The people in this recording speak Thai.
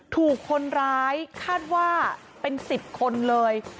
ถูกคนร้ายคาดว่าเป็น๑๐คนเลย